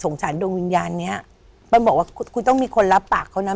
มันบอกว่าเขาต้องมีคนรับปากเขานะ